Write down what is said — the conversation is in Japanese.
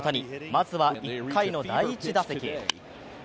まずは１回の第１打席。